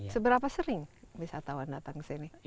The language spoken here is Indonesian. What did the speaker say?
seberapa sering wisatawan datang ke sini